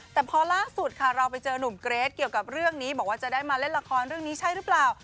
แต่พอล่าสุดค่ะเราไปเจอนุ่มเกรทเกี่ยวกับเรื่องนี้บอกว่าจะได้มาเล่นละครเรื่องนี้ใช่หรือเปล่า